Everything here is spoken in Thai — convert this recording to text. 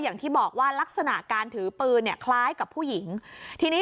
อย่างที่บอกว่าลักษณะการถือปืนเนี่ยคล้ายกับผู้หญิงทีนี้